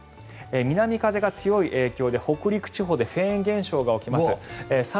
南風が強い影響で北陸地方でフェーン現象が起きます。